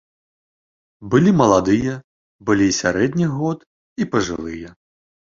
Былі маладыя, былі і сярэдніх год, і пажылыя.